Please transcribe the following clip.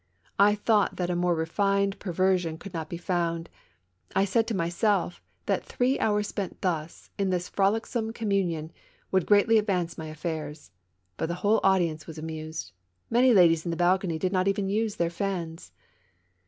I thought that a more refined perver sion could not be found; I said to myself that three hours spent thus, in this frolicsome communion, would 40 THE MAISONS LAFFITTE RACES. greatly advance my affairs. But the wliole audience was amused ; many ladies in the balcony did not even use their fans.